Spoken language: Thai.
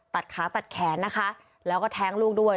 ตัดขาตัดแขนนะคะแล้วก็แท้งลูกด้วย